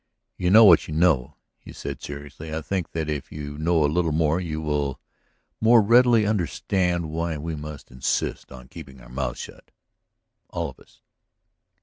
"You know what you know," he said seriously. "I think that if you know a little more you will more readily understand why we must insist on keeping our mouths shut ... all of us."